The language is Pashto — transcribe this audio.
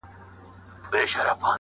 هر انسان خپل هدف لري.